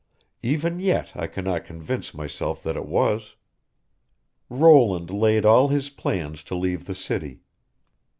Even yet I cannot convince myself that it was. "Roland laid all his plans to leave the city.